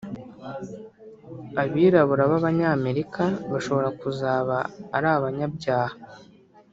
Abirabura b’Abanyamerika bashobora kuzaba ari abanyabyaha